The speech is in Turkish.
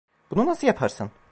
Bunu nasıl yaparsın?